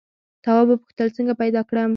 تواب وپوښتل څنګه پیدا کړم.